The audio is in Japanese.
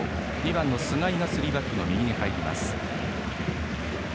２番、須貝がスリーバックの右に入ります。